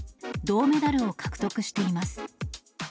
銅メダルを獲得しています。